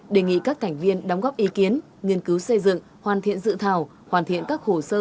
đề nghị các thành viên đóng góp ý kiến nghiên cứu xây dựng hoàn thiện dự thảo hoàn thiện các hồ sơ